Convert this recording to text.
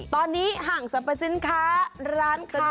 ตอนนี้ห่างจากประสิทธิ์ค้าร้านค้าร้าน